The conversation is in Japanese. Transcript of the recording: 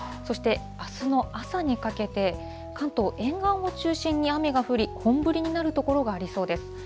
そして、あすの朝にかけて、関東沿岸を中心に雨が降り、本降りになる所がありそうです。